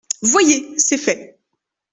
Voyez, c'est fait.